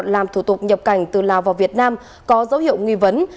làm thủ tục nhập cảnh từ lào vào việt nam có dấu hiệu nghi vấn